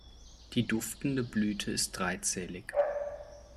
Die duftende Blüte ist dreizählig.